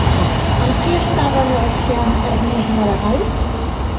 Amb qui estava negociant Ernest Maragall?